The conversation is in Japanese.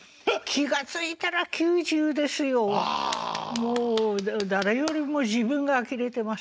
もう誰よりも自分があきれてます。